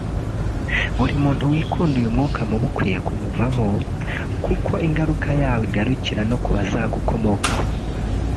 Buri muntu wikunda uyu mwuka mubi ukwiye kumuvamo kuko ingaruka yawo igarukira no ku bazagukomokaho